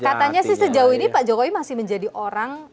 katanya sih sejauh ini pak jokowi masih menjadi orang